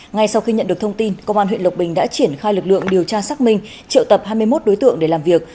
ngay sau khi nhận được thông tin công an huyện lộc bình đã triển khai lực lượng điều tra xác minh triệu tập hai mươi một đối tượng để làm việc